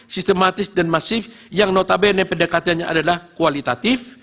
sistematis dan masif yang notabene pendekatannya adalah kualitatif